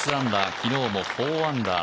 昨日も４アンダー。